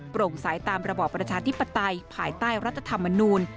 ่งสายตามระบอบประชาธิปไตยภายใต้รัฐธรรมนูล